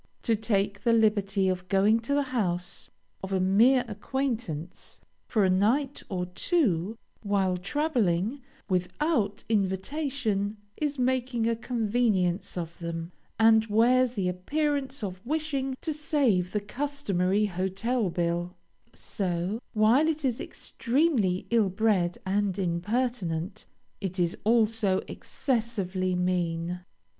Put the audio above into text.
To take the liberty of going to the house of a mere acquaintance, for a night or two, while traveling, without invitation, is making a convenience of them, and wears the appearance of wishing to save the customary hotel bill, so, while it is extremely ill bred and impertinent, it is also excessively mean.